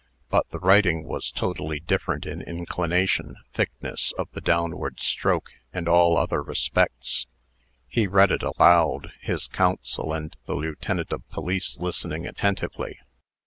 But the writing was totally different in inclination, thickness of the downward stroke, and all other respects. He read it aloud, his counsel and the lieutenant of police listening attentively.